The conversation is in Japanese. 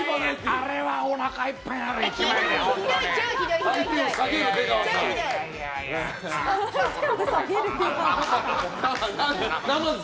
あれはおなかいっぱいになる１枚ね、本当に。